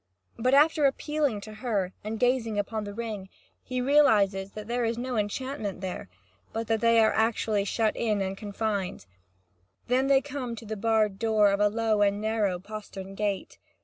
But after appealing to her and gazing upon the ring, he realises that there is no enchantment here, but that they are actually shut in and confined. Then they come to the barred door of a low and narrow postern gate.